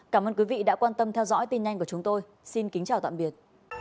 cảm ơn quý vị đã quan tâm theo dõi tin nhanh của chúng tôi xin kính chào tạm biệt